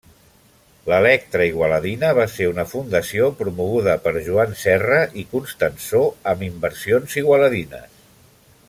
L'Electra Igualadina va ser una fundació promoguda per Joan Serra i Constansó amb inversions igualadines.